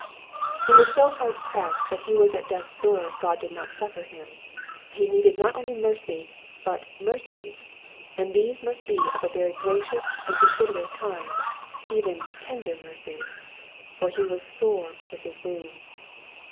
'*^ He was so bard pressed that he was at death's door if God did not succour him. He needed not only mercy, but *' mercies," and these must be of a very gra cious and considerate kind, even tender mercies," for he was sore with his wounds.